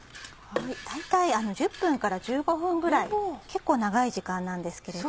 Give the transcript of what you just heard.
大体１０分から１５分ぐらい結構長い時間なんですけれど。